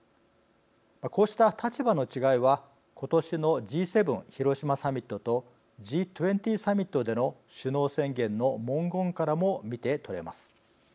こうした立場の違いは今年のＧ７広島サミットとＧ２０サミットでの首脳宣言の文言からも見て取れます。